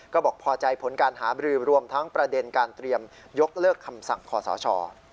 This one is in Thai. ก็บอกพอใจผลการหาบรือรวมทั้งประเด็นการเตรียมยกเลิกคำสั่งขอสช